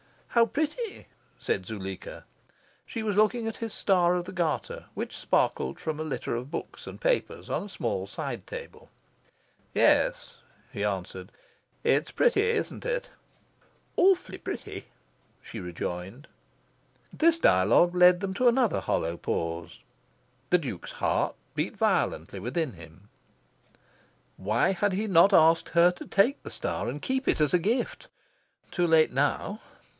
"How pretty!" said Zuleika. She was looking at his star of the Garter, which sparkled from a litter of books and papers on a small side table. "Yes," he answered. "It is pretty, isn't it?" "Awfully pretty!" she rejoined. This dialogue led them to another hollow pause. The Duke's heart beat violently within him. Why had he not asked her to take the star and keep it as a gift? Too late now!